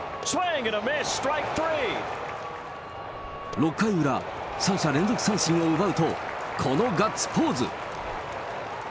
６回裏、３者連続三振を奪うと、このガッツポーズ。